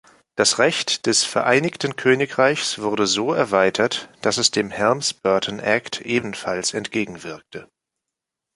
Das Rechts des Vereinigten Königreichs wurde so erweitert, dass es dem Helms-Burton-Act ebenfalls entgegenwirkte.